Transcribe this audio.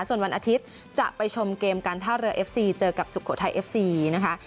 ส่วนวันอาทิตย์จะไปชมเกมการท่าเรือเอฟซีเจอกับสุโขทัยเอฟซีนะคะ